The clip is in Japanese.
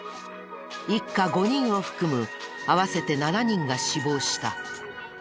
一家５人を含む合わせて７人が死亡した。